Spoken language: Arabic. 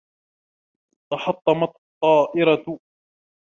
تحطمت الطائرة.